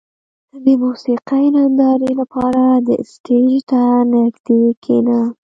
• د موسیقۍ نندارې لپاره د سټېج ته نږدې کښېنه.